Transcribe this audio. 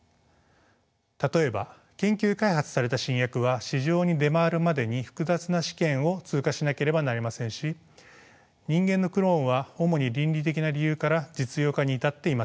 例えば研究開発された新薬は市場に出回るまでに複雑な試験を通過しなければなりませんし人間のクローンは主に倫理的な理由から実用化に至っていません。